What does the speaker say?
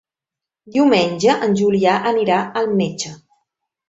Diumenge en Julià anirà al metge.